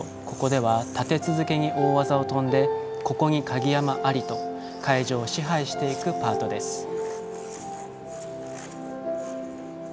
ここでは立て続けに大技を跳んでここに鍵山ありと会場を支配していくパートです。